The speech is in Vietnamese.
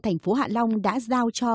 thành phố hạ long đã giao cho